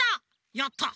やった！